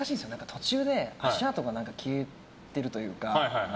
途中で足跡が消えているというか。